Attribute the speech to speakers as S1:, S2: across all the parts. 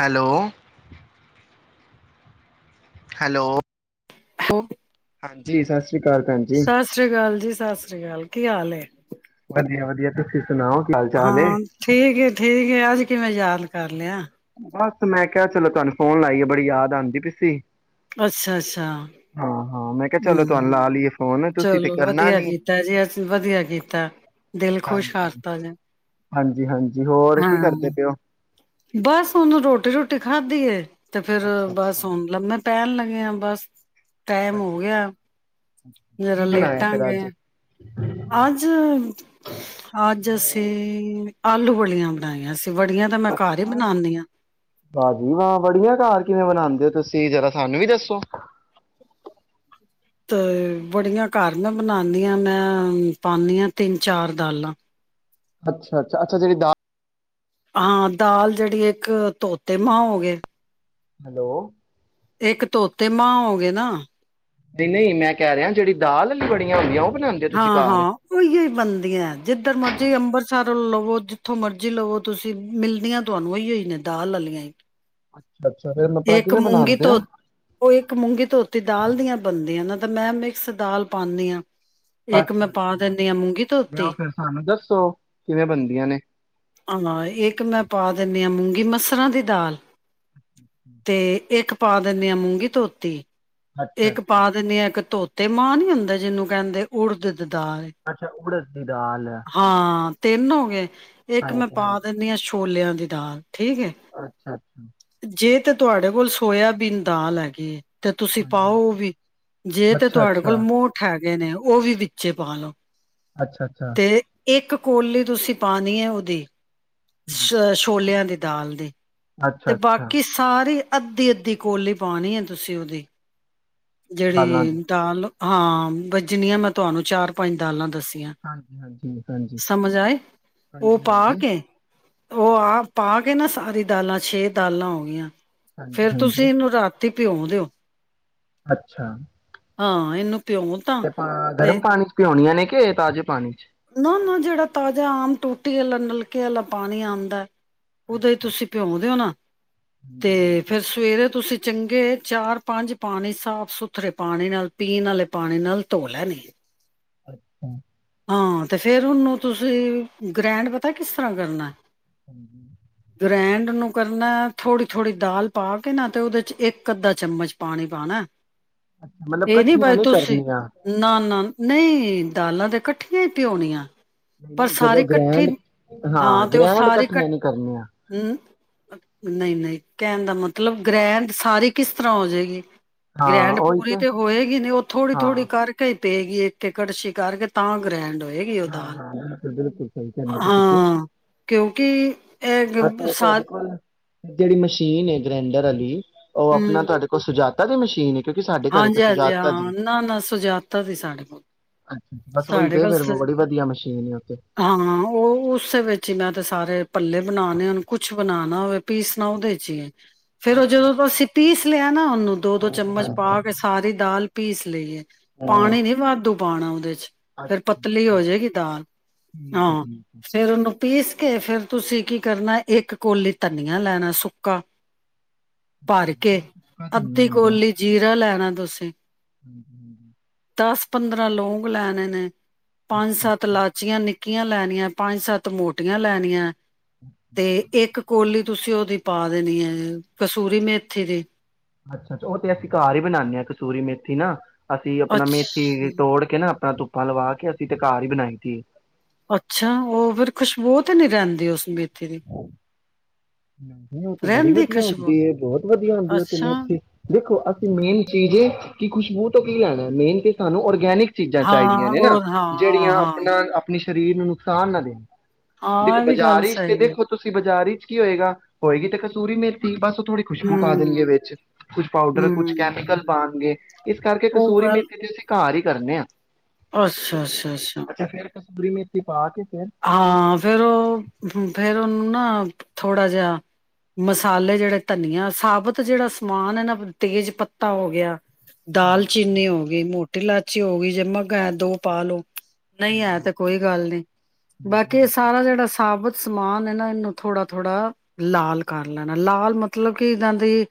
S1: Hello. Hello.
S2: ਉਹ
S1: ਜੀ ਸਸ ਸ੍ਰੀ ਅਕਾਲ ਭੈਣ
S2: ਸਤਿ ਸ੍ਰੀ ਅਕਾਲ ਜੀ ਸਤਿ ਸ੍ਰੀ ਅਕਾਲ। ਕੀ ਹਾਲ ਏ।
S1: ਵਧੀਆ ਵਧੀਆ ਤੁਸੀਂ ਸੁਣਾਓ ਕੀ ਹਾਲ ਚਾਲ ਏ?
S2: ਹਾਂ ਠੀਕ ਠੀਕ ਅੱਜ ਕਿਵੇਂ ਯਾਦ ਕਰ ਲਿਆ
S1: ਬਸ ਮੈਂ ਕਿਹਾ ਚਲੋ ਤੁਹਾਨੂੰ ਫੋਨ ਲਾਈਏ ਬੜੀ ਯਾਦ ਆਉਂਦੀ ਪੀ ਸੀ
S2: ਅੱਛਾ-ਅੱਛਾ।
S1: ਹਾਂ ਹਾਂ, ਮੈਂ ਕਿਹਾ ਚਲੋ ਤੁਹਾਨੂੰ
S2: ਹਮ,
S1: ਲਾ ਲਈਏ ਫੋਨ ਤੁਸੀਂ ਤੇ
S2: ਚਲੋ
S1: ਕਰਨਾ
S2: ਵਧੀਆ
S1: ਨੀ।
S2: ਕੀਤਾ ਜੀ ਅਜ ਵਧੀਆ ਕੀਤਾ ਦਿਲ ਖੁਸ਼
S1: ਹਾਂਜੀ,
S2: ਕਰਤਾ ਜੇ।
S1: ਹਾਂਜੀ, ਹਾਂਜੀ। ਜੀ, ਹੋਰ ਕੀ ਕਰਦੇ
S2: ਹਾਂ।
S1: ਪਏ ਹੋ?
S2: ਬਸ ਉਹਨੂੰ ਰੋਟੀ ਰੋਟੀ ਖਾਦੀ ਹੈ। ਤੇ ਫੇਿਰ
S1: ਅੱਛਾ
S2: ਬਸ
S1: ਅੱਛਾ,
S2: ਹੁਣ ਲੰਬੇ ਪਹਿਣ ਲੱਗੇ ਆ ਬਸ। ਟਾਈਮ
S1: ਅੱਛਾ
S2: ਹੋ ਗਿਆ ਹੈ ਜਰਾ
S1: ਕੀ ਬਣਾਇਆ ਫੇਰ
S2: ਲੇਟਾਂਗੇ।
S1: ਅੱਜ?
S2: ਅੱਜ-ਅੱਜ ਅਸੀਂ ਆਲੂ ਫ਼ਲੀਆਂ ਬਣਾਈਆਂ ਸੀ। ਬੜੀਆਂ ਤਾਂ ਮੈਂ ਘਰ ਹੀ ਬਣਾਨੀ ਆ।
S1: ਦੀਆ ਬੜੀਆ ਕਾਰ ਕਿਵੇਂ ਬਨਾਉਂਦੇ ਹੋ ਤੁਸੀਂ ਜਰਾ ਸਾਨੂੰ ਵੀ ਦੱਸੋ।
S2: ਤੇ ਬੜੀਆਂ ਘਰ ਮੈਂ ਬਣਾਦੀ ਹਾਂ ਮੈਂ ਪਾਦੀ ਹਾਂ ਤਿੰਨ ਚਾਰ ਦਾਲਾਂ।
S1: ਅੱਛਾ-ਅੱਛਾ-ਅੱਛਾ। ਜਿਹੜੀ ਦਾਲ
S2: ਹਾਂ, ਦਾਲ ਜਿਹੜੀ ਇੱਕ ਤੋਤੇ ਮਾਂ ਹੋ ਗਏ
S1: ਹੈਲੋ।
S2: ਇੱਕ ਤੋਤੇ ਮਾਂ ਹੋ ਗਏ ਨਾ।
S1: ਨਹੀਂ-ਨਹੀਂ। ਮੈਂ ਕਹਿ ਰਿਹਾ ਜਿਹੜੀ ਦਾਲ ਵਾਲੀ ਬੜੀਆਂ ਹੁੰਦੀਆਂ ਉਹ ਬਣਾਂਦੇ ਓ ਤੁਸੀਂ
S2: ਹਾਂ,
S1: ਘਰ?
S2: ਹਾਂ, ਉਹੀ ਹੀ ਬਣਦੀਆਂ। ਜਿੱਧਰ ਮਰਜ਼ੀ ਅੰਬਰਸਰ ਲਵੋ ਜਿੱਥੋਂ ਮਰਜ਼ੀ ਲਵੋ ਤੁਸੀਂ ਮਿਲਦੀਆਂ ਤੁਹਾਨੂੰ ਹੀੋ ਹੀ ਨੇ ਦਾਲ ਲੈ ਲਈਆਂ ਹੀ।
S1: ਅੱਛਾ।
S2: ਇੱਕ ਮੂੰਗੀ ਧੋਤੀ, ਉਹ ਇੱਕ ਮੂੰਗੀ ਧੋਤੀ ਦਾਲ ਦੀਆਂ ਬਣਦੀਆਂ ਨਾ ਅਤੇ ਮੈਂ ਮਿਕਸ ਦਾਲ ਪਾਉਂਦੀ ਹਾਂ। ਇੱਕ ਮੈਂ ਪਾ
S1: ਅੱਛਾ-ਅੱਛਾ
S2: ਦਿੰਦੀ ਹਾਂ ਮੂੰਗੀ
S1: ਜਾਂ
S2: ਧੋਤੀ,
S1: ਫਿਰ ਸਾਨੂੰ ਦੱਸੋ ਕਿਵੇਂ ਬਣਦੀਆਂ ਨੇ?
S2: ਹਾਂ ਇੱਕ ਮੈਂ ਪਾ ਜਿਵੇਂ ਹਾਂ ਮੂੰਗੀ ਮਸਰਾਂ ਦੀ ਦਾਲ
S1: ਅੱਛਾ।
S2: ਤੇ ਇੱਕ ਪਾ ਦਿੰਦੇ ਹਾਂ ਮੂੰਗੀ ਧੋਤੀ ਇੱਕ
S1: ਅੱਛਾ-ਅੱਛਾ,
S2: ਪਾ ਦਿੰਦੇ ਹਾਂ ਇੱਕ ਧੋਤੀ ਤੇ ਮਾਂ ਨੀ ਹੁੰਦਾ ਜਿਹਨੂੰ ਕਹਿੰਦੇ ਉਡ ਦੀ ਦਾਲ।
S1: ਅੱਛਾ ਅੱਛਾ ਉੜਦ ਦੀ ਦਾਲ
S2: ਹਾਂ। ਤਿੰਨ ਹੋ ਗਏ? ਇੱਕ ਮੈਂ ਪਾ
S1: ਹਾਂਜੀ-ਹਾਂਜੀ,
S2: ਦਿੰਨੀਦੀ ਹਾਂ ਛੋਲਿਆਂ ਦੀ ਦਾਲ। ਠੀਕ ਹੈ
S1: ਅੱਛਾ-ਅੱਛਾ,
S2: ਜੇ ਤੇ ਤੁਹਾਡੇ ਕੋਲ ਸੋਇਆਬੀਨ ਦਾਲ ਹੈਗੀ? ਤੇ ਤੁਸੀਂ ਪਾਓ
S1: ਹਾਂਜੀ।
S2: ਉਹ ਵੀ, ਜੇ ਤੇ ਤੁਹਾਡੇ ਕੋਲ
S1: ਅੱਛਾ-ਅੱਛਾ,
S2: ਮੋਠ ਹੈ? ਹੈਗੇ ਨੇ ਉਹ ਵੀ ਵਿੱਚੇ ਪਾ ਲਓ
S1: ਅੱਛਾ- ਅੱਛਾ।
S2: ਤੇ ਇੱਕ ਕੋਲੀ ਤੁਸੀਂ ਪਾਣੀ ਹੈ ਉਹਦੀ ਛ ਛੋਲਿਆਂ ਦੇ ਦਾਲ ਦੀ ਤੇ
S1: ਅੱਛਾ- ਅੱਛਾ।
S2: ਬਾਕੀ ਸਾਰੀ ਅੱਧੀ-ਅੱਧੀ ਕੋਲੀ ਪਾਉਣੀ ਹੈ ਤੁਸੀਂ ਉਹਦੀ
S1: ਦਾਲਾਂ ਦੀ
S2: ਜਿਹੜੀ ਦਾਲ ਹਾਂ, ਬਈ ਜਿਹਨੀਆਂ ਮੈਂ ਤੁਹਾਨੂੰ ਚਾਰ ਪੰਜ ਦਾਲਾਂ ਦਸ
S1: ਹਾਂਜੀ-ਹਾਂਜੀ, ਜੀ ਹਾਂਜੀ।
S2: ਸਮਝ ਆਏ ਉਹ ਪਾ
S1: ਹਾਂਜੀ-ਹਾਂਜੀ,
S2: ਕੇ ਉਹ ਆ ਪਾ ਕੇ ਨਾ ਸਾਰੀ ਦਾਲਾਂ ਛੇ ਦਾਲਾਂ ਹੋ ਗਈਆਂ। ਫੇਰ ਤੁਸੀਂ
S1: ਹਾਂਜੀ-ਹਾਂਜੀ
S2: ਇਹਨੂੰ ਰਾਤ ਭਿਉਂ ਦਿਓ
S1: ਅੱਛਾ।
S2: ਹਾਂ ਇਹਨੂੰ ਭਿਉਂ ਤਾਂ
S1: ਤੇ ਆਪਾਂ ਗਰਮ ਪਾਣੀ ਚ ਭਿਉਣੀਆਂ ਨੇ? ਕੇ ਤਾਜ਼ੇ ਪਾਣੀ ਚ
S2: ਨਾ-ਨਾ ਜਿਹੜਾ ਤਾਜ਼ਾ ਆਮ ਟੂਟੀ ਵਾਲਾ, ਨਲਕੇ ਵਾਲਾ ਪਾਣੀ ਆਉਂਦਾ ਹੈ ਉਹਦੇ ਚ
S1: ਅੱਛਾ,
S2: ਤੁਸੀਂ ਭਿਉਂ ਦਿਉ ਨਾ
S1: ਹਾਂਜੀ-ਹਾਂਜੀ।
S2: ਤੇ ਫਿਰ ਸਵੇਰੇ ਤੁਸੀਂ ਚੰਗੇ ਚਾਰ-ਪੰਜ ਪਾਣੀ ਸਾਫ ਸੁਥਰੇ ਪਾਣੀ ਨਾਲ ਪੀਣ ਵਾਲੇ ਪਾਣੀ ਨਾਲ ਧੋ ਲੈਣੀ।
S1: ਅੱਛਾ।
S2: ਹਾਂ, ਤੇ ਫੇਰ ਉਹਨੂੰ ਤੁਸੀਂ ਗ੍ਰੈਂਡ ਪਤਾ ਕਿਸ ਤਰ੍ਹਾਂ ਕਰਨਾ
S1: ਹਾਂਜੀ।
S2: ਗ੍ਰੈਂਡ ਨੂੰ ਕਰਨਾ ਥੋੜ੍ਹੀ- ਥੋੜ੍ਹੀ ਦਾਲ ਪਾ ਕੇ ਨਾ ਤੇ ਉਹਦੇ ਇੱਕ ਅੱਧਾ ਚਮਚ ਪਾਣੀ ਪਾਣਾ।
S1: ਮਤਲਬ
S2: ਇਹ ਨੀ
S1: ਇਕੱਠੀਆਂ
S2: ਬਾਈ ਤੁਸੀਂ
S1: ਕਰਨੀਆਂ
S2: ਨਾ- ਨਾ ਨਹੀਂ ਦਾਲਾਂ ਤੇ ਇਕੱਠੀਆਂ ਹੀ ਭਿਉੰਣੀਆਂ।
S1: ਨਹੀਂ, ਜਦੋਂ ਗ੍ਰਰੇਂਡ ਹਾਂ,
S2: ਤੇ ਉਹ
S1: ਗ੍ਰਰੇਡ
S2: ਸਾਰੇ ਕੱ
S1: ਇਕੱਠੀਆਂ ਨਹੀਂ ਕਰਨੀਆਂ।
S2: ਨ- ਨਹੀਂ ਨਹੀਂ ਕਹਿਣ ਦਾ ਮਤਲਬ, ਗ੍ਰੈੰਡ ਸਾਰੀ ਕਿਸ ਤਰ੍ਹਾਂ ਹੋ ਜਾਏਗੀ।
S1: ਹਾਂ
S2: ਗ੍ਰੈਂਡ
S1: ਉਹੀ
S2: ਪੂਰੀ ਤੇ ਹੋਏਗੀ ਨਹੀਂ ਉਹ ਥੋੜ੍ਹੀ-
S1: ਹਾਂ
S2: ਥੋੜ੍ਹੀ ਕਰਕੇ ਹੀ ਪਏਗੀ। ਇੱਕ ਇੱਕ ਕੜਸ਼ੀ ਕਰਕੇ ਤਾਂ ਗ੍ਰੈੰਡ ਹੋਏਗਾ। ਹੈਗੀ ਉਹ
S1: ਹਾਂ
S2: ਦਾਲ
S1: ਹਾਂ ਬਿਲਕੁਲ ਬਿਲਕੁਲ ਸਹੀ ਕਹਿੰਦੇ ਪਏ ਤੁਸੀਂ
S2: ਹਾਂ, ਕਿਉਂਕਿ ਇਹ
S1: ਅਤੇ
S2: ਸ
S1: ਤੁਹਾਡੇ ਕੋਲ ਜਿਹੜੀ ਮਸ਼ੀਨ ਏ ਗ੍ਰੈਂਡਰ ਆਲੀ ਉਹ ਆਪਣਾ ਤੁਹਾਡੇ ਕੋਲ ਸੁਜਾਤਾ ਕਦੇ ਮਸ਼ੀਨ ਇੱਕ
S2: ਹਾਂਜੀ ਹਾਂਜੀ ਹਾਂ ਹਾਂ, ਨਾ ਨਾ ਸੁਜਾਤਾ ਸੀ, ਸਾਡੇ ਕੋਲ
S1: ਅੱਛਾ ਬਸ ਵਈ ਦੇ ਫਿਰ ਓ
S2: ਹਾਂ ਹਾਂ, ਉਹ ਉਸੇ ਵਿੱਚ ਹੀ ਮੈਂ ਤੇ ਸਾਰੇ ਭਲੇ ਬਣਾਣੇ ਹੋਣ, ਕੁਛ ਬਣਾਣਾ ਹੋਵੇ, ਪੀਸਣਾ ਉਹਦੇ ਚ ਈ ਆ। ਫੇਰ ਉਹ
S1: ਅੱਛਾ
S2: ਜਦੋਂ
S1: ਅੱਛਾ
S2: ਅਸੀਂ ਪੀਸ ਲਿਆ ਨਾ, ਉਹਨੂੰ ਦੋ ਦੋ
S1: ਹਾਂਜੀ
S2: ਚਮਚ
S1: ਹਾਂਜੀ
S2: ਪਾ ਕੇ ਸਾਰੀ ਦਾਲ ਪੀਸ ਲਈਏ।
S1: ਹਮ
S2: ਪਾਣੀ ਨੀ ਵਾਧੂ ਪਾਣਾ, ਉਹਦੇ 'ਚ ਫੇਰ
S1: ਅੱਛਾ
S2: ਪਤਲੀ
S1: ਅੱਛਾ
S2: ਹੋ ਜਏਗੀ ਦਾਲ,
S1: ਠੀਕ ਹੈ
S2: ਹਾਂ
S1: ਠੀਕ ਹੈ
S2: ਫੇਰ ਉਹਨੂੰ ਪੀਸ ਕੇ ਫਿਰ ਤੁਸੀਂ ਕੀ ਕਰਨਾ, ਇੱਕ ਕੋਲੀ ਧਨੀਆ ਲੈਣਾ ਸੁੱਕਾ ਭਰ ਕੇ,
S1: ਜਿਹੜਾ ਸੁੱਕਾ
S2: ਅੱਧੀ ਕੋਲੀ ਜੀਰਾ ਲੈਣਾ ਤੁਸੀ
S1: ਹੂੰ ਹੂੰ।
S2: ਪੰਦਰਾਂ ਲੋਗ਼ ਲੈਣੇ ਨੇ ਪੰਜ ਸੱਤ ਲਾਚੀਆਂ ਨ ਕੀਆਂ ਲੈਣੀਆਂ, ਪੰਜ ਸੱਤ ਮੋਟੀਆਂ ਲੈਣੀਆਂ। ਤੇ, ਇੱਕ ਕੋਲੀ ਤੁਸੀਂ ਉਹਦੀ ਪਾ ਦੇਣੀ ਆ, ਕਸੂਰੀ ਮੇਥੀ ਦੀ
S1: ਅੱਛਾ-ਅੱਛਾ, ਉਹ ਤੇ ਅਸੀਂ ਘਰ ਹੀ ਬਣਾਉਂਨੇ ਆ, ਕਸੂਰੀ ਮੇਥੀ ਨਾ ਅਸੀਂ, ਆਪਣਾ
S2: ਅੱਛਾ
S1: ਮੇਥੀ ਤੋੜ ਕੇ ਨਾ ਆ ਧੁੱਪਾ ਲਵਾ ਕੇ, ਅਸੀਂ ਤੇ ਘਾਰ ਏ ਬਣਾਈ ਦੀ ਏ।
S2: ਅੱਛਾ, ਉਹ ਫੇਿਰ ਖੁਸ਼ਬੂ ਤੇ ਨੀ ਰਹਿੰਦੀ, ਉਸ ਮੇਥੀ ਦੀ
S1: ਹੂੰ। ਉਹ ਤੇ ਬੜੀ
S2: ਰਹਿੰਦੀ
S1: ਵਧੀਆ
S2: ਖੁਸ਼ਬੂ
S1: ਹੁੰਦੀ ਏ, ਬਹੁਤ ਵਧੀਆ ਹੁੰਦੀ ਉਹ ਤੇ
S2: ਅੱਛਾ
S1: ਮੇਥੀ, ਅਸਲ ਮੇਨ ਚੀਜ਼ ਆ ਕਿ ਖੁਸ਼ਬੂ ਤੋਂ ਕੀ ਲੈਣਾ, ਮੇਨ ਕਿ ਤੁਹਾਨੂੰ ਔਰਗੈਨਿਕ ਚੀਜ਼ਾਂ ਚਾਹੀਦੀਆਂ
S2: ਹਾਂ
S1: ਨੇ ਨਾ,
S2: ਉਹ ਹਾਂ ਹਾਂ
S1: ਜਿਹੜੀਆਂ
S2: ਹਾਂ
S1: ਆਪਣਾ ਆਪਣੀ ਸਰੀਰ ਨੂੰ ਨੁਕਸਾਨ ਨਾ ਦੇਣ, ਦੇਖੋ
S2: ਹਾਂ ਇਹ ਵੀ ਗੱਲ
S1: ਬਾਜ਼ਾਰਸ਼
S2: ਸਹੀ
S1: ਤੇ,
S2: ਹੈ
S1: ਦੇਖੋ ਤੁਸੀਂ ਬਾਜ਼ਾਰੀ ਕੀ ਹੋਏਗ?, ਹੋਏਗੀ ਤੇ ਕਸੂਰੀ ਮੇਥੀ ਬਸ ਥੋੜ੍ਹੀ ਖੁਸ਼ਬੂ ਪਾ ਦੇਣਗੇ
S2: ਹਮ
S1: ਵਿੱਚ, ਕੁਝ ਪਾਊਡਰ ਕੁਛ
S2: ਹਮ
S1: ਕੈਮੀਕਲ ਪਾਉਣਗੇ, ਇਸ ਕਰਕੇ
S2: ਉਹ
S1: ਕਸੋਰੀ
S2: ਗੱਲ
S1: ਮੇਥੀ ਦੇ ਅਸੀਂ ਘਰ ਹੀ ਕਰਨੇ ਆ
S2: ਅੱਛਾ, ਅੱਛਾ, ਅੱਛਾ।
S1: ਕਸੂਰੀ ਮੇਥੀ ਪਾ ਕੇ ਫੇਰ
S2: ਹਾਂ, ਫੇਰ ਉਹ ਫੇਰ ਉਹਨੂੰ ਨਾ, ਥੋੜਾ ਜਿਹਾ ਮਸਾਲੇ ਜਿਹੜੇ ਧਨੀਆ ਸਾਬਤ ਜਿਹੜਾ ਸਮਾਨ ਹੈ ਨਾ ਤੇਜ ਪੱਤਾ ਹੋ ਗਿਆ
S1: ਹਾਂਜੀ
S2: ਦਾਲਚੀਨੀ ਹੋ ਗਈ ਮੋ ਟੀ ਇਲਾਚੀ ਹੋ ਗਈ ਜੇ ਮਗ ਦੋ ਪਾ ਲੋੋ ਨਹੀਂ ਹੈ
S1: ਹਾਂਜੀ
S2: ਤਾਂ ਕੋਈ ਗੱਲ ਨਹੀਂ ਬਾਕੀ ਇਹ
S1: ਹਾਂਜੀ
S2: ਸਾਰਾ ਜਿਹੜਾ ਸ ਸਾਬਤ ਸਮਾਨ ਏ ਨਾ ਇਹਨੂੰ ਥੋੜਾ ਥੋੜ੍ਹਾ ਲਾਲ ਕਰ ਲੈਣਾ ਲਾਲ ਮਤਲਬ ਕਿ ਇਦਾਂ ਦੀ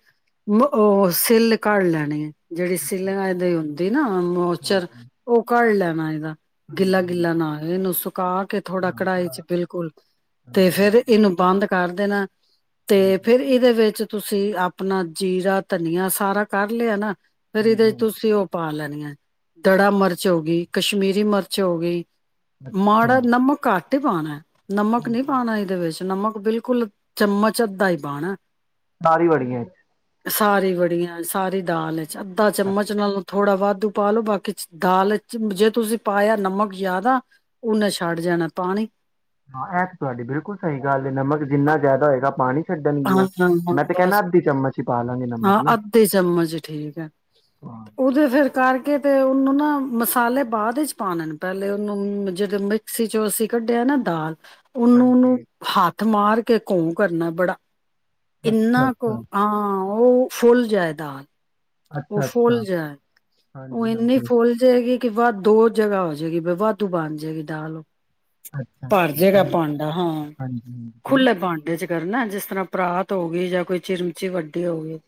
S2: ਉਹ ਸਿੱਲ ਘੜ ਲੈਣੀ ਹੈ ਜਿਹੜੀ ਸਿਲ
S1: ਹਾਂਜੀ
S2: ਦੀ ਹੁੰਦੀ ਨਾ ਮੋਚਰ
S1: ਹਾਂਜੀ
S2: ਉਹ ਕਢ ਲੈ ਬਣਾਏਦਾ ਗਿੱਲਾ
S1: ਹਾਂਜੀ
S2: ਗਿੱਲਾ
S1: ਹਾਂਜੀ
S2: ਨਾ ਹੋ ਨ ਸੌ ਪਾ ਕੇ ਥੋੜਾ ਕਣਾਈ ਚ ਬਿਲਕੁਲ ਤੇ
S1: ਹਾਂਜੀ
S2: ਫੇਰ
S1: ਹਾਂਜੀ
S2: ਇਹਨੂੰ ਬੰਦ ਕਰ ਕਰਦੇ ਨਾ ਤੇ
S1: ਹਾਂਜੀ
S2: ਫਿਰ ਇਹਦੇ ਵਿੱਚ ਤੁਸੀਂ ਆਪਣਾ ਜੀਰਾ ਧਨੀਆ ਸਾਰਾ ਕੱਢ ਲਿਆ ਨਾ ਫਿਰ ਇਹਦੇ
S1: ਹਾਂਜੀ
S2: ਚ
S1: ਹਾਂਜੀ
S2: ਤੁਸੀਂ ਉਹ ਪਾ ਲੈਣੀਆਂ- ਦੜਾ ਮਿਰਚ ਹੋ ਗਈ ਕਸ਼ਮੀਰੀ ਮਿਰਚ ਹੋ ਗਈ
S1: ਅੱਛਾ
S2: ਮਾੜਾ ਨਮਕ ਕਟ ਟ ਪਾਉਣਾ ਨਮਕ
S1: ਹਾਂਜੀ
S2: ਨਹੀਂ ਪਾਣਾ ਇਹਦੇ ਵਿੱਚ ਨਮਕ ਬਿਲਕੁਲ ਚਮਚ ਅੱਧਾ ਈ ਪਾਣਾ
S1: ਸਾਰੀ ਬੜੀਆਂ ਇੱਥ
S2: ਸਾਰੀ ਬੜੀਆਂ ਸਾਰੀ ਦਾਲ ਅੱਧਾ ਚਮਚ ਨਾਲੋਂ ਥੋੜਾ ਵਧ ਤ ਪਾ ਲੋ ਬਾਕੀ ਚ ਦਾਲ ਚ ਜੇ ਤੁਸੀਂ ਪਾਇਆ ਨਮਕ ਜ਼ਿਆਦਾ ਊਨੇ ਛੱਡ ਜਾਣਾ ਪਾਣੀ
S1: ਹਾਂ, ਇਹ ਤਾਂ ਤੁਹਾਡੀ ਬਿਲਕੁਲ ਸਹੀ ਗੱਲ ਹੈ ਨਮਕ ਜਿੰਨਾ ਜ਼ਿਆਦਾ ਹੋਏਗਾ ਪਾਣੀ
S2: ਹਾਂ,
S1: ਛੱਡਣਗੀਆਂ
S2: ਹਾਂ ਹਾਂ
S1: ਮੈਂ ਤੇ ਕਹਿਣਾ
S2: ਬਸ
S1: ਅੱਧੀ ਚਮਚ ਹੀ ਪਾ ਲਾਂਗੇ
S2: ਹਾਂ
S1: ਨਮਕ ਨਾ
S2: ਅੱਧੇ ਚਮਚ ਠੀਕ ਹੈ
S1: ਹਾਂ
S2: ਉਹਦੇ ਫਿਰ ਕਰਕੇ ਤੇ ਉਹਨੂੰ ਨਾ ਮਸਾਲੇ ਬਾਅਦ ਵਿੱਚ ਪਾਉਣੇ ਨੇ ਪਹਿਲੇ ਉਹਨੂੰ ਜਿਹੜੇ ਮਿਕਸੀ ਚੋਂ ਅਸੀਂ ਕੱਢਿਆ ਨਾ ਦਾਲ
S1: ਹਾਂਜੀ
S2: ਥ ਮਾਰ ਕੇ ਘੋਂ ਕਰਨਾ ਬੜਾ
S1: ਅੱਛਾ
S2: ਇਹਨਾ ਕੁ
S1: ਅੱਛਾ
S2: ਆ ਉਹ ਫੁੱਲ ਜਾਇਦਾ ਉਹ
S1: ਅੱਛਾ
S2: ਫੁੱਲ
S1: ਅੱਛਾ
S2: ਜਾਏ ਉਹ
S1: ਹਾਂਜੀ
S2: ਇੰਨੀ
S1: ਹਾਂਜੀ
S2: ਫੁੱਲ ਜਾਏਗੀ ਕਿ ਵਾਧ ਦੋ ਜਗ੍ਹਾ ਹੋ ਜਾਏਗੀ ਵਾਧੂ ਬਣ ਜਾਏਗੀ ਦਾਲ
S1: ਅੱਛਾ
S2: ਭਰ
S1: ਅੱਛਾ
S2: ਜੇਗਾ
S1: ਫੇਰ
S2: ਪਾਂਡਾ ਹਾਂ
S1: ਹਾਂਜੀ ਹਾਂਜੀ ਫੇਰ
S2: ਖੁੱਲੇ ਪਾਂਡੇ ਚ ਕਰਨਾ ਜਿਸ ਤਰ੍ਹਾਂ ਪਰਾਤ ਹੋ ਗਏ ਜਾਂ ਕੋਈ ਚਿਰਮਚੀ ਵੱਡੀ ਹੋ ਗਈ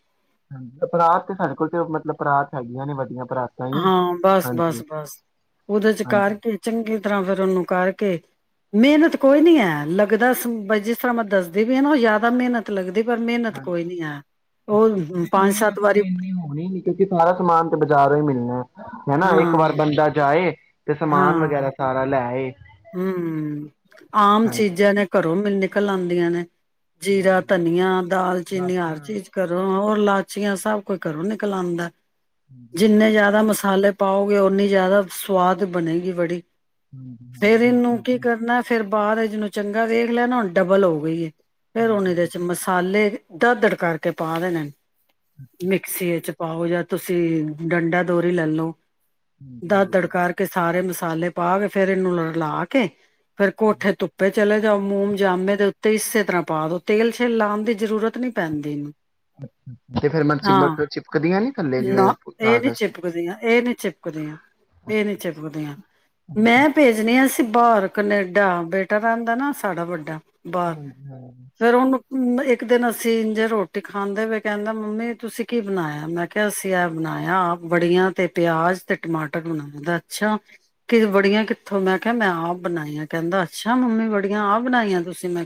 S1: ਹਾਂਜੀ ਪਰਾਤ ਤੇ ਸਾਡੇ ਕੋਲ ਤੇ ਮਤਲਬ ਪਰਾਤ ਹੈਗੀਆਂ ਨੇ ਵਡਇਆ
S2: ਹਾਂ ਬਸ ਬਸ ਬਸ ਉਹਦੇ ਚ
S1: ਹਾਂਜੀ
S2: ਕਰਕੇ ਚੰਗੀ ਤਰ੍ਹਾਂ ਫੇਰ ਉਹਨੂੰ ਕਰਕੇ ਕੇ ਮਿਹਨਤ ਕੋਈ ਨੀ ਹੈ ਲੱਗਦਾ ਬ ਜਿਸ ਤਰ੍ਹਾਂ ਮੈਂ ਦੱਸਦੀ ਵੀ ਹੈ ਨਾ ਉਹ ਜ਼ਿਆਦਾ ਮਿਹਨਤ ਲੱਗਦੀ ਪਰ ਮਿਹਨਤ ਕੋਈ ਨੀ ਹੈ ਉਹ
S1: ਦੇਖੋ
S2: ਪੰਜ
S1: ਮਿਹਨਤ
S2: ਸੱਤ ਵਾਰੀ
S1: ਤੇ ਇਨੀ ਹੋਣੀ ਨੀ ਕਿਉਂਕਿ ਸਾਰਾ ਸਮਾਨ ਤੇ ਬਾਜ਼ਾਰ ਹੀ ਮਿਲਣਾ ਹਨਾ ਇੱਕ
S2: ਹਾਂ
S1: ਵਾਰ ਬੰਦਾ ਜਾਏ ਤੇ ਸਮਾਨ ਵਗੈਰਾ ਸਾਰਾ ਲੈ ਆਏ
S2: ਹਮ ਆਮ
S1: ਹਾਂਜੀ
S2: ਚੀਜ਼ਾਂ ਨੇ ਕਰ ਰੋ ਮਿਲ ਨਿਕਲ ਆਉਂਦੀਆਂ ਨੇ ਜੀਰਾ
S1: ਹਾਂਜੀ
S2: ਧਨੀਆ ਦਾਲਚੀਨੀ ਹਰ
S1: ਲਾਚੀਆਂ
S2: ਚੀਜ਼ ਕਰੋ ਹੋਰ ਲਾਚੀਆਂ ਸਭ ਕੋਈ ਘਰੋਂ ਨਿਕਲ ਆਉਂਦਾ
S1: ਹਾਂਜੀ
S2: ਜਿੰਨੇ
S1: ਹਾਂਜੀ
S2: ਜਿਆਦਾ ਮਸਾਲੇ ਪਾਓਗੇ ਓਨੀ ਜ਼ਿਆਦਾ ਸਵਾਦ ਬਣੇਗੀ ਬੜੀ
S1: ਹਾਂਜੀ ਹਾਂਜੀ
S2: ਫੇਰ ਇਹਨੂੰ
S1: ਬਿਲਕੁਲ
S2: ਕੀ
S1: ਜੀ
S2: ਕਰਨਾ ਫੇਰ ਬਾਹਰ ਜਿਹਨੂੰ ਚੰਗਾ ਦੇਖ ਲਿਆ ਨਾ ਹੁਣ ਡਬਲ ਹੋ ਗਈ ਏ ਫੇਰ ਉਹੁਣ
S1: ਹਾਂਜੀ
S2: ਇਹਦੇ ਚ ਮਸਾਲੇ ਦਰਦੜ ਕਰਕੇ ਪਾ ਦੇਣੇ ਮਿਕਸੀ ਚ ਪਾਓ ਜਾਂ ਤੁਸੀਂ ਡੰਡਾ ਦੋਰੀ ਲੈਲੋ
S1: ਹਾਂਜੀ
S2: ਦ
S1: ਹਾਂਜੀ
S2: ਦੜਕਾ ਕੇ ਸਾਰੇ ਮ ਮਸਾਲੇ ਪਾ ਕੇ ਫਿਰ ਫਿਰ ਏਨੂੰ ਰਲਾ ਕੇ ਫੇਰ ਕੋਠੇ
S1: ਹਾਂਜੀ
S2: ਧੁੱਪੇ ਚਲੇਗੇ ਜਾਂ ਮੋਮ ਜਾਮੇ ਦੇ ਉੱਤੇ ਇਸੇ ਤਰ੍ਹਾਂ ਪਾ ਦੋ ਤੇਲ ਸ਼ੇਲ ਲਾਉਣ ਦੀ ਜ਼ਰੂਰਤ ਨਹੀਂ ਪੈਂਦੀ ਇਹਨੂੰ
S1: ਤੇ ਫੇਿਰ ਮੈਂ
S2: ਹਾਂ
S1: ਚਿਬਕ ਚਿਪਕਦੀ ਹ ਨੀ ਥੱਲੇ ਜਿਵੇਂ
S2: ਕੁਦੇ ਹਾਂ ਇਹ ਨੀ ਚਿਪਕ ਦੀਆਂ
S1: ਹਾਂਜੀ
S2: ਮੈਂ ਭੇਜਸੀਂ ਬਾਹਰ ਕਨੇਡਾ ਬੇਟਾ ਰਹਿੰਦਾ ਨਾ ਸਾਡਾ ਵੱਡਾ ਬਾਹਰ ਫੇਰ
S1: [unintelligible]
S2: ਇੱਕ ਦਿਨ ਅਸੀਂ ਇੰਜੇ ਰੋਟੀ ਖਾਂਦੇ ਹੋਏ ਕਹਿੰਦਾ ਮੰਮੀ ਤੁਸੀਂ ਕੀ ਬਣਾਇਆ ਮੈਂ ਕਿਹਾ ਅਸੀਂ ਇਹ ਬਣਾਇਆ ਆਪ ਬੜੀਆਂ ਤੇ ਪਿਆਜ ਤੇ ਟਮਾਟਰ ਬਣਾ ਦਾ ਅੱਛਾ ਕਿ ਬੜੀਆਂ ਉਥੋਂ ਮੈਂ ਕਿਹਾ ਮੈਂ ਆਪਹ ਬਣਾਈਆਂ ਕਹਿੰਦਾ ਅੱਛਾ ਮੰਮੀ ਬੜੀਆਂ ਆਪ ਬਣਾਈਆਂ ਤੁਸੀਂ ਮੈਂ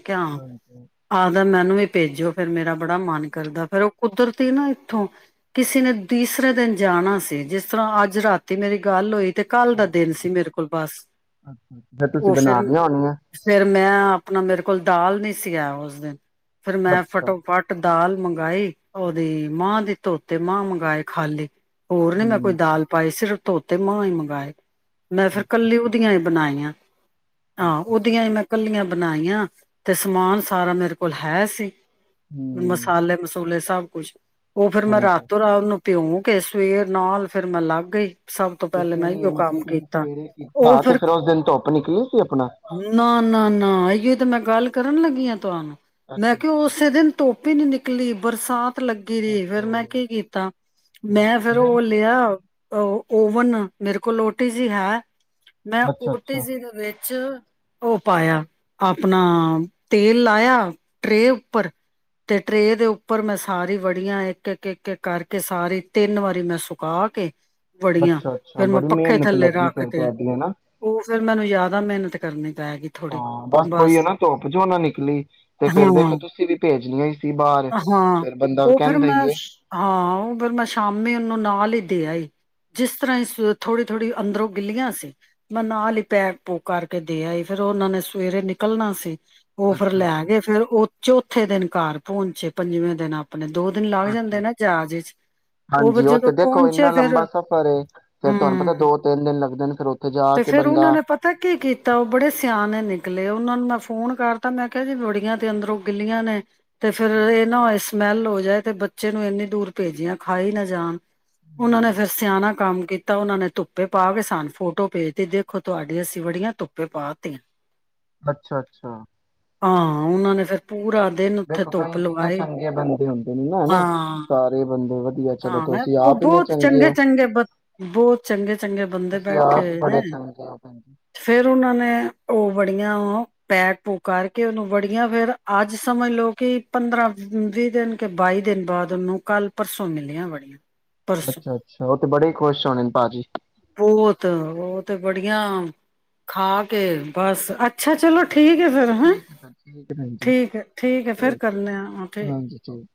S2: ਆਦਾ ਮੈਂ ਨੂੰ ਵੀ ਭੇਜੋ ਫੇਿਰ ਮੇਰਾ ਬੜਾ ਮਨ ਕਰਦਾ ਫੇਿਰ ਉਹ ਕੁਦਰਤੀ ਨਾ ਇੱਥੋਂ ਕਿਸੇ ਨੇ ਤੀਸਰੇ ਦਿਨ ਜਾਣਾ ਸੀ ਜਿਸ ਤਰ੍ਹਾਂ ਅੱਜ ਰਾਤੀ ਮੇਰੀ ਗੱਲ ਹੋਈ ਤੇ ਕੱਲ ਦਾ ਦਿਨ ਸੀ ਮੇਰੇ ਕੋਲ ਬਸ
S1: ਫੇਰ ਤੁਸੀਂ
S2: ਉਹ ਫਿਰ
S1: ਬਣਾ ਲਿਆਂ ਹੋਣੀਆਂ?
S2: ਫਿਰ ਮੈਂ ਆਪਣਾ ਮੇਰੇ ਕੋਲ ਦਾਲ ਨੀ ਸੀਆ ਉਸ ਦਿਨ। ਫਿਰ ਮੈਂ
S1: ਅੱਛਾ
S2: ਫੱਟੋ ਫੱਟ ਦਾਲ ਮੰਗਈ ਉਹਦੀ ਮਾਂ ਦੇ ਧੋਤੇ ਮਾਂ ਮੰਗਵਾਏ ਖਾਲੀ ਹੋਰ ਨੀ ਮੈਂ ਕੋਈ
S1: ਹੂੰ
S2: ਦਾਲ ਪਾਏ ਸੀ। ਧੋਤੇ ਮਾਂ ਹੀ ਮੰਗਾਏ। ਮੈਂ ਫੇਰ
S1: ਅੱਛਾ
S2: ਕੱਲੀ
S1: ਅੱਛਾ
S2: ਆਇ ਆਂ ਹਾਂ
S1: ਅੱਛਾ
S2: ਉਹਦੀ
S1: ਅੱਛਾ
S2: ਹੀ ਕੱਲੀਆਂ ਬਨਾਈਆਂ ਤੇ ਸਮਾਨ ਸਾਰਾ ਮੇਰੇ ਕੋਲ ਹੈ ਸੀ।
S1: ਹੂੰ
S2: ਮਸਾਲੇ ਮਸੂਲੇ ਸ ਕੁਛ [inaudible] ਉਹ ਫੇਰ ਮੈਂ
S1: ਹਾਂਜੀ
S2: ਰਾਤੋਂ ਰਾਤ ਭਿਉਂ ਕੇ ਸਵੇਰ ਨਾਲ ਫੇਰ ਮੈਂ ਲੱਗ ਗਈ ਸਭ ਤੋਂ
S1: ਤੇ
S2: ਪਹਿਲੇ
S1: ਫਿਰ
S2: ਮੈਂ ਆਇਯੋ ਕੰਮ
S1: ਮਤਲਬ ਤੁਸੀਂ
S2: ਕੀਤਾ।
S1: ਸਵੇਰੇ ਕੀਤਾ
S2: ਉਹ
S1: ਹਾਂ ਤੇ
S2: ਫਿਰ
S1: ਉਸ ਦਿਨ ਧੁੱਪ ਨਿਕਲੀ ਸੀ ਆਪਣਾ
S2: ਨਾ ਨਾ ਨਾ ਏ ਅ ਮੈਂ ਗੱਲ ਕਰਨ ਲੱਗੀ ਹਾਂ ਤੁਹਾਨੂੰ
S1: ਅੱਛਾ
S2: ਮੈਂ ਕਿਹਾ
S1: ਅੱਛਾ
S2: ਉਸੇ ਦਿਨ ਧੁੱਪ ਨਿਕਲੀ ਬਰਸਾ ਲੱਗੀ
S1: ਦਸ
S2: ਰਹੀ ਫੇਰ ਮੈਂ
S1: ਤੋਂ
S2: ਕੀ ਕੀਤਾ? ਮੈਂ ਫਿਰ ਉਹ ਲਿਆ ਉਹ ਓਵਨ ਮੇਰੇ ਕੋਲ ਉਟੀਜ਼ੀ ਹੈ। ਮੈਂ
S1: ਅੱਛਾ ਅੱਛਾ
S2: ਓਟਿਜੀ [unintelligible] ਚ, ਉਹ ਪਾਇਆ ਆਪਣਾ ਤੇਲ ਲਾਇਆ ਟਰੇ ਉੱਪਰ ਤੇ ਟਰੇ ਦੇ ਉੱਪਰ ਮੈਂ ਸਾਰੀ ਵੜੀਆਂ ਇੱਕ ਇੱਕ ਇੱਕ ਕਰਕੇ ਸਾਰੀ ਤਿੰਨ ਵਾਰੀ ਮੈਂ ਸੁਕਾ ਕੇ ਵੜੀਆਂ
S1: ਅੱਛਾ ਅੱਛਾ
S2: ਫੇਿਰ ਮੈਂ
S1: ਬੜੀ
S2: ਪੱਖੇ
S1: ਮਿਹਨਤ
S2: ਥੱਲੇ
S1: ਲੱਗੀ
S2: ਰੱਖ
S1: ਫਿਰ
S2: ਤੇ।
S1: ਤੁਹਾਡੀ ਹਨਾ
S2: ਉਹ ਫੇਰ ਮੈਨੂੰ ਯਾਦ ਆ। [unintelligible] ਕਰਨੇ
S1: ਹਾਂ, ਬਸ ਉਹੀਓ ਨਾ ਧੋੱਪ ਜੋ ਨਾ ਨਿਕਲੀ ਤੇ ਫੇਰ ਦੇਖੋ
S2: ਹਾਂ
S1: ਤੁਸੀਂ ਵੀ [unintelligible] [inaudible] ਜਿੰਨੀ
S2: ਹਾਂ, ਉਹ ਫੇਿਰ ਮੈਂ
S1: ਏ।
S2: ਸ਼ ਹਾਂ, ਉਹ ਫਿਰ ਮੈਂ ਸ਼ਾਮੀ ਨੂੰ ਨਾਲ ਹੀ ਦੇ ਆਈ ਜਿਸ ਤਰ੍ਹਾਂ ਹੀ ਥੋੜੀ ਥੋੜ੍ਹੀ ਅੰਦਰੋਂ ਗਿੱਲੀਆਂ ਸੀ ਮੈਂ ਨਾਲ ਹੀ ਪੈਕ ਪੂਕ ਕਰਕੇ ਦੇ ਆਈ ਫੇਿਰ ਉਹਨਾਂ ਨੇ ਸਵੇਰੇ ਨਿਕਲਣਾ ਸੀ। ਉਹ ਫਿਰ
S1: ਅੱਛਾ ਅੱਛਾ
S2: ਲੈਗਏ ਫਿਰ ਉਹ ਚੌਥੇ ਦਿਨ ਕਾ ਪਹੁੰਨਚੇ ਪੰਜਵੇਂ ਦਿਨਾਂ ਆਪਣੇ ਦੋ ਦਿਨ ਲੱਗ
S1: ਅੱਛਾ
S2: ਜਾਂਦੇ
S1: ਅੱਛਾ
S2: ਨਾ ਜਹਾਜ਼ ਚ ਉਹ ਫਿਰ
S1: ਹਾਂਜੀ
S2: ਜਦੋਂ
S1: ਤੇ ਦੇਖੋ
S2: ਪਹੁੰਚੇ
S1: ਇੰਨਾ
S2: ਫਿਰ
S1: ਲੰਬਾ ਸਫ਼ਰ ਏ ਫਿਰ ਤੁਹਾਨੂੰ ਪਤਾ
S2: ਹਮ
S1: ਦੋ ਤਿੰਨ ਦਿਨ ਲੱਗਦੇ ਨੇ ਫਿਰ ਉੱਥੇ ਜਾ
S2: ਤੇ
S1: ਕੇ
S2: ਫੇਰ ਉਹਨਾਂ
S1: ਬੰਦਾ
S2: ਨੇ ਪਤਾ ਕੀ ਕੀਤਾ ਉਹ ਬੜੇ ਸਿਆਣੇ ਨਿਕਲੇ ਉਹਨਾਂ ਨੂੰ ਮੈਂ ਫ ਫੋਨ ਕਰਤਾ ਮੈਂ ਕਿਹਾ ਜੀ ਬੜੀਆਂ ਤੇ ਅੰਦਰੋਂ ਗਿੱਲੀਆਂ ਨੇ ਤੇ ਫੇਰ ਇਹ ਨਾ ਹੋਏ ਸ ਸਮੈਲ ਹੋ ਜਾਏ ਤੇ ਬੱਚੇ ਨੂੰ ਇੰਨੀ ਦੂਰ ਭੇਜੀਆਂ ਖਾ ਹੀ ਨਾ ਜਾਣ ਉਹਨਾਂ ਨੇ ਫਿਰ ਸਿਆਣਾ ਕੰਮ ਕੀਤਾ ਉਹਨਾਂ ਨੇ ਧੁੱਪੇ ਪਾ ਕੇ ਸਨ ਫੋਟੋ ਭੇਜਤੀ ਦੇਖੋ ਤੁਹਾਡੀ ਅਸੀਂ ਬੜੀਆਂ ਧੁੱਪੇ ਪਾ ਤਿਆ
S1: ਅੱਛਾ ਅੱਛਾ
S2: ਹਾਂ, ਉਹਨਾਂ ਨੇ ਫੇਰ ਪੂਰਾ ਦੇ
S1: ਦੇਖੋ ਕ ਕਿੰਨੇ ਚੰਗੇ ਬੰਦੇ ਹੁੰਦੇ ਨੇ ਨਾ ਹਨਾ
S2: ਹਾਂ
S1: ਸਾਰੇ ਬੰਦੇ ਵ
S2: ਹਾਂ, ਬਹੁਤ ਚੰਗੇ ਚੰਗੇ ਬ ਬਹੁਤ ਚੰਗੇ ਚੰਗੇ ਬੰਦੇ
S1: ਤੁਸੀਂ
S2: ਬੈਠੇ
S1: ਆਪ ਹੀ
S2: ਹੋਏ
S1: ਬੜੇ
S2: ਨੇ
S1: ਚੰਗੇ ਹੋ ਭੈਣ ਜੀ।
S2: ਫੇਰ ਉਹਨਾਂ ਨੇ ਉਹ ਬੜੀਆਂ ਪੈਕ ਪੂ ਕਰਕੇ ਉਹਨੂੰ ਵੜੀਆਂ ਫੇਰ ਅੱਜ ਸਮਝ ਲੋਓ ਕਿ ਪੰਦਰਾਂ ਵੀਹ ਦਿਨ ਕੇ ਬਾਈ ਦਿਨ ਬਾਅਦ ਉਹਨੂੰ ਕੱਲ ਪਰਸੋਂ ਮਿਲੀਆਂ ਬੜੀਆਂ ਪਰਸੋਂ
S1: ਅੱਛਾ ਅੱਛਾ ਉਹ ਤੇ ਬੜੇ ਖੁਸ਼ ਹੋਣੇ ਨੇ ਭਾਜੀ
S2: ਬਹੁਤ ਉਹ ਤੇ ਬੜੀਆਂ ਖਾ ਕੇ ਬਸ ਅੱਛਾ ਚਲੋ ਠੀਕ ਫੇਰ ਹੈਂ
S1: ਠੀਕ ਹੈ ਸਰ, ਠੀਕ ਹੈ ਭੈਣ ਜੀ
S2: ਠੀਕ ਹੈ ਠੀਕ ਹੈ ਫੇਰ ਕਰ
S1: ਓਕੇ
S2: ਆ
S1: ਹਾਂਜੀ
S2: ਠੀਕਕੇ
S1: ਠੀਕ।